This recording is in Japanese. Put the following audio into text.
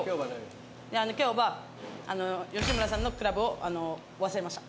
今日は吉村さんのクラブを忘れました。